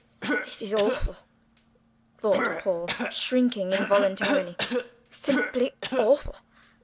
"This is awful," thought Paul, shrinking involuntarily; "simply awful.